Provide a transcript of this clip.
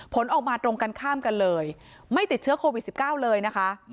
ผลออกมาตรงกันข้ามกันเลยไม่ติดเชื้อโควิด๑๙เลยนะคะ